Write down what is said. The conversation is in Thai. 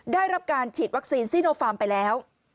ได้รับการฉีดวัคซีนซีโนฟาร์มไปแล้ว